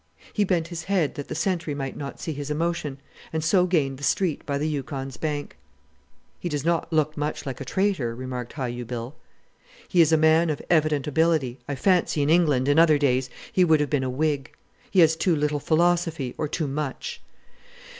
He bent his head that the sentry might not see his emotion, and so gained the street by the Yukon's bank. "He does not look much like a traitor," remarked Hi u Bill. "He is a man of evident ability. I fancy in England, in other days, he would have been a Whig. He has too little philosophy, or too much.